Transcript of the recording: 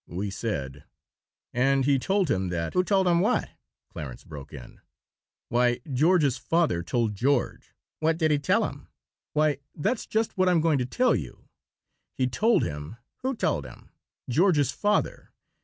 We said: "And he told him that " "Who told him what?" Clarence broke in. "Why, George's father told George." "What did he tell him?" "Why, that's just what I'm going to tell you. He told him " "Who told him?" "George's father.